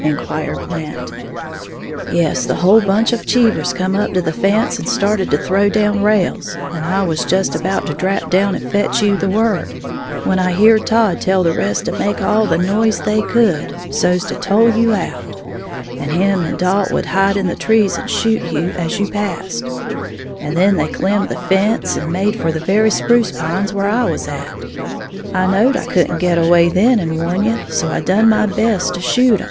inquired Blant. "Yes. The whole bunch of Cheevers come up to the fence, and started to throw down rails; and I was just about to drap down and fetch you the word, when I heared Todd tell the rest to make all the noise they could, so's to tole you out, and him and Dalt would hide in the trees and shoot you as you passed. And then they clim the fence and made for the very spruce pines where I was at. I knowed I couldn't get away then to warn you, so I done my best to shoot 'em."